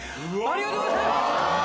ありがとうございます！